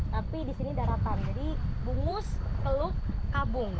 tapi di sini daratan jadi bungus peluk kabung